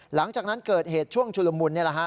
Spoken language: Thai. หลังจากนั้นเกิดเหตุช่วงชุลมุน